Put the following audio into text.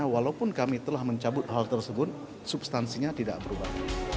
walaupun kami telah mencabut hal tersebut substansinya tidak berubah